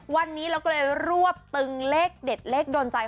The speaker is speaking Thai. วันนี้เวลาก็ตึงเลขเด็ดเลขดนใจ